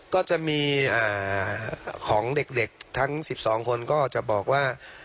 ก็จะมีของเด็กทั้ง๑๒คนก็จะบอกว่า